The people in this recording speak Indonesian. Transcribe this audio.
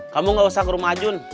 kamu gak usah ke rumah ajun